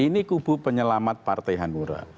ini kubu penyelamat partai hanura